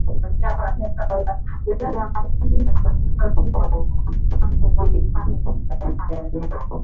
vya marekebisho mara nyingi huwa ni wa mpango wa tiba ya makazi